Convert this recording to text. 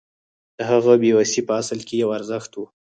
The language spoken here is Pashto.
د هغه بې وسي په اصل کې یو ارزښت و